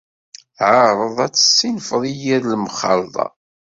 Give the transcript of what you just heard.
Ɛreḍ ad tessinfeḍ i yir lemxalḍa.